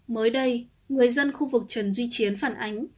mới đây người dân khu vực trần duy chiến phản ánh